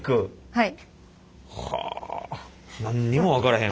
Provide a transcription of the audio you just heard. はい。